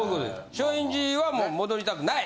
松陰寺は戻りたくない。